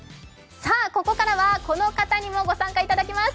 ここからはこの方にもご参加いただきます。